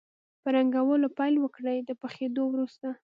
په رنګولو پیل وکړئ د پخېدو وروسته.